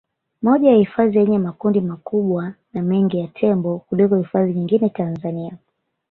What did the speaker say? Moja ya hifadhi yenye makundi makubwa na mengi ya Tembo kuliko hifadhi nyingine Tanzania